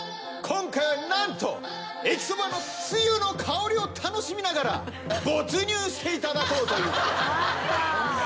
今回は何と駅そばのつゆの香りを楽しみながら没入していただこうという。